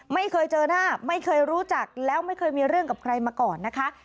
ไม่เคยเจอหน้าไม่เคยรู้จักแล้วไม่เคยมีเรื่องกับใครมาก่อนนะคะ